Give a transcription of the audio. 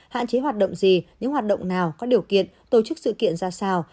hạn chế hoạt động gì những hoạt động nào có điều kiện tổ chức sự kiện ra sao